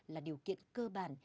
là điều kiện cơ bản